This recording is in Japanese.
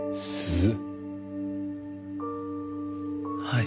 はい。